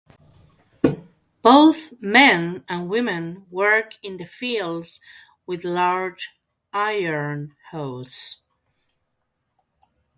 Both men and women work in the fields with large iron hoes.